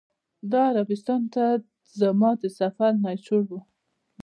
دا عربستان ته زما د سفر نچوړ و.